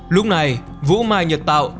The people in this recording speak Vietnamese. lúc này vũ mai nhật tạo